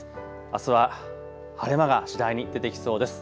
あすは晴れ間が次第に出てきそうです。